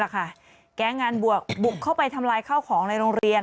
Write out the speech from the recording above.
แก๊งงานบวกบุกเข้าไปทำลายข้าวของในโรงเรียน